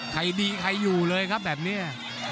ใครดีใครอยู่เลยครับแบบนี้